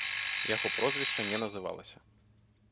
Яго прозвішча не называлася.